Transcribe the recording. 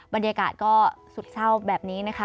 บรรยากาศก็สุดเศร้าแบบนี้นะคะ